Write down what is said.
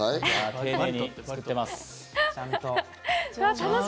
丁寧に作ってます。